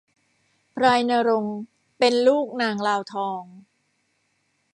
พลายณรงค์เป็นลูกนางลาวทอง